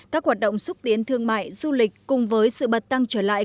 các hoạt động xúc tiến thương mại du lịch cùng với sự bật tăng trở lại